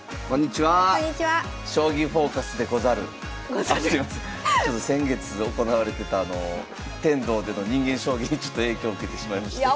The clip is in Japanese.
ちょっと先月行われてた天童での人間将棋にちょっと影響受けてしまいまして。